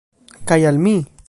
Kaj al mi.